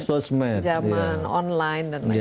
zaman online dan lain lain